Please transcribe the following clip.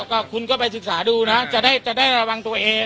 ก็คุณก็ไปศึกษาดูนะจะได้ระวังตัวเอง